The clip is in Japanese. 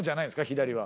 左は。